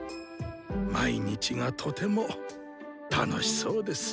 毎日がとても楽しそうです。